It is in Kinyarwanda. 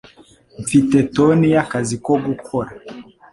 Mfite toni y'akazi yo gukora